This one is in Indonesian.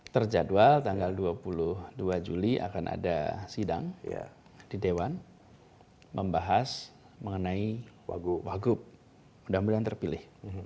terjadwal tanggal dua puluh dua juli akan ada sidang di dewan membahas mengenai wagup mudah mudahan terpilih